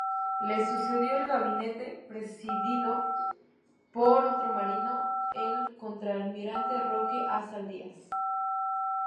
Le sucedió el gabinete presidido por otro marino, el contralmirante Roque A. Saldías.